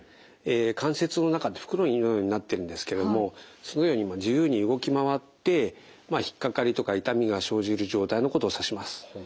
関節の中って袋のようになってるんですけどもそのように自由に動き回って引っ掛かりとか痛みが生じる状態のことを指します。